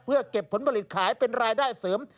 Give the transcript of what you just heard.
เพื่อเก็บผลผลิตขายเป็นรายได้เสริม